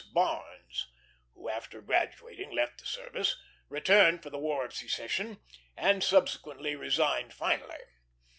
Barnes, who, after graduating left the service, returned for the War of Secession, and subsequently resigned finally.